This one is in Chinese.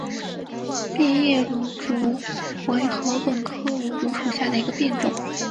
变叶芦竹为禾本科芦竹属下的一个变种。